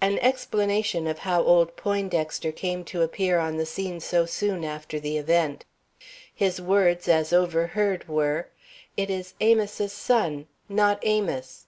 An explanation of how old Poindexter came to appear on the scene so soon after the event. His words as overheard were: "It is Amos' son, not Amos!"